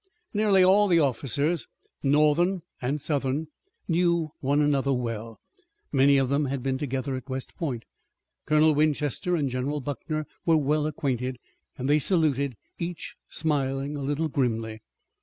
Nearly all the officers, Northern and Southern, knew one another well. Many of them had been together at West Point. Colonel Winchester and General Buckner were well acquainted and they saluted, each smiling a little grimly.